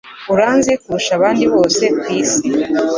Uranzi kurusha abandi bose kwisi